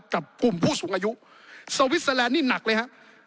กับกลุ่มผู้สูงอายุสวิสเตอร์แลนดนี่หนักเลยฮะ